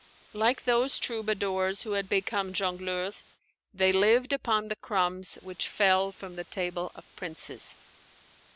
Like those troubadours who had become jongleurs, they lived upon the crumbs which fell from the table of princes.